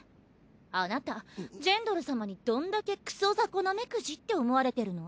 あなたジェンドル様にどんだけクソ雑魚ナメクジって思われてるの？